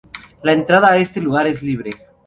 La entrada a este lugar es libre.